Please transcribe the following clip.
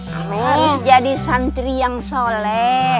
kamu harus jadi santri yang soleh